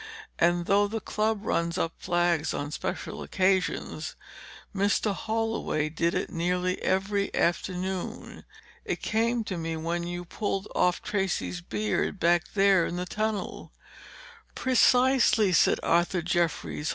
And though the club runs up flags on special occasions, Mr. Holloway did it nearly every afternoon. It came to me when you pulled off Tracey's beard back there in the tunnel." "Precisely," said Arthur Jeffries.